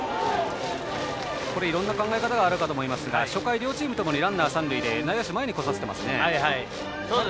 いろんな考え方があると思いますが初回、両チームともにランナー三塁で内野手、前に来させてますね。